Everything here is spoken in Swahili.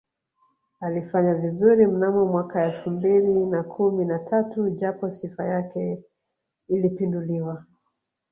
Alifanya vizuri mnamo mwaka elfu mbili na kumi na tatu japo Sifa yake ilipinduliwa